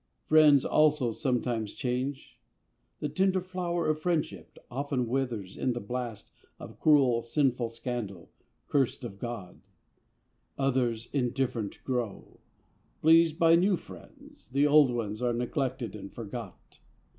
Friends also sometimes change: the tender flower Of friendship often withers in the blast Of cruel, sinful scandal, cursed of God. Others indifferent grow: pleased by new friends, The old ones are neglected and forgot.